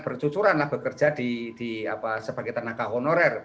bercucuranlah bekerja sebagai tenaga honorer